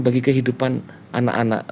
bagi kehidupan anak anak